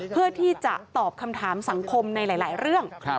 เพื่อที่จะตอบคำถามสังคมในหลายเรื่อง